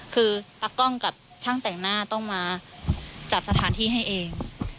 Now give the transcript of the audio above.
คือตะกล้องกับช่างแต่งหน้าต้องมาจัดสถานที่ให้เอง